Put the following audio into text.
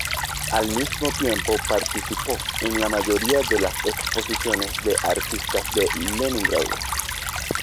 Al mismo tiempo participó en la mayoría de las exposiciones de artistas de Leningrado.